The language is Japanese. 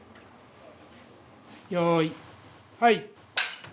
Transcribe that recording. よーい、はい！